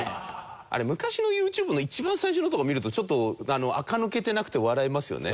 あれ昔のＹｏｕＴｕｂｅの一番最初のとこ見るとちょっとあか抜けてなくて笑えますよね。